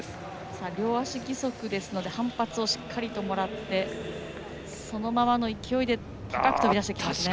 両足義足なので反発をしっかりもらってそのままの勢いで高く跳び出してきました。